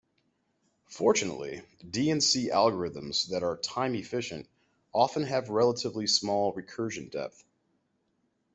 Fortunately, D and C algorithms that are time-efficient often have relatively small recursion depth.